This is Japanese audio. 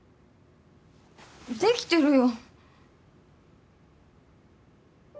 できてるよ！